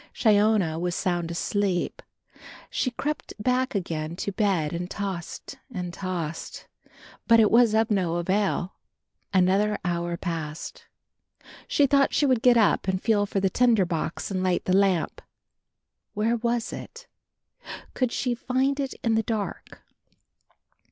Shiona was sound asleep. She crept back again to bed and tossed and tossed, but it was of no avail. Another hour passed. She thought she would get up and feel for the tinder box and light the lamp. Where was it? Could she find it in the dark?